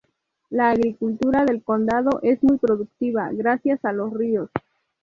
La agricultura del condado es muy productiva gracias a los ríos.